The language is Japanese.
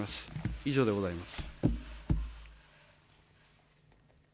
以上でございます。